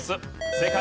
正解。